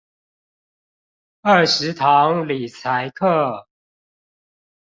二十堂理財課